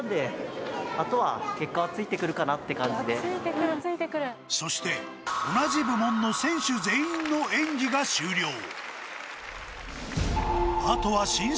あとは結果はついてくるかなって感じでそして同じ部門の選手全員の演技が終了